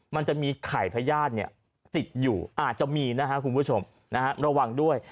มันจะมีไข่พญาติติดอยู่อาจจะมีนะฮะคุณผู้ชมนะฮะระวังด้วย